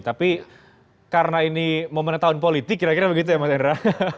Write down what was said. tapi karena ini momen tahun politik kira kira begitu ya mas hendra